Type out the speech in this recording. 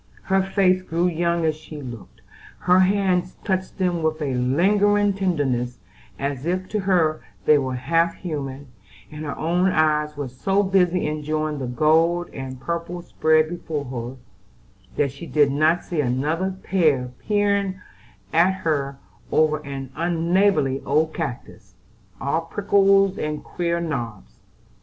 Her face grew young as she looked, her hands touched them with a lingering tenderness as if to her they were half human, and her own eyes were so busy enjoying the gold and purple spread before her, that she did not see another pair peering at her over an unneighborly old cactus, all prickles, and queer knobs.